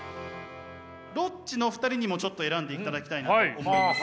ロッチの２人にもちょっと選んでいただきたいなと思います。